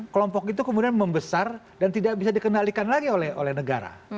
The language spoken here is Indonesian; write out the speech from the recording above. kelompok itu kemudian membesar dan tidak bisa dikendalikan lagi oleh negara